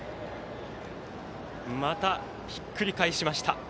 また、ひっくり返しました。